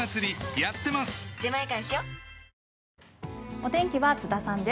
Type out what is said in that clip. お天気は津田さんです。